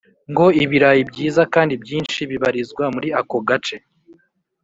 ngo ibirayi byiza kandi byinshi bibarizwa muri ako gace